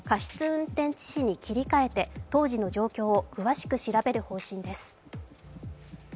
運転致死に切り替えて当時の状況を詳しく調べる方針です。